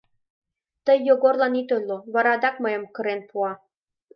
Тый Йогорлан ит ойло, вара адак мыйымат кырен пуа...